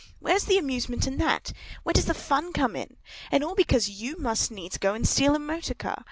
Where's the amusement in that? Where does the fun come in? And all because you must needs go and steal a motor car.